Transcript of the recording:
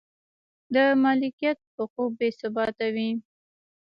د مالکیت حقوق بې ثباته و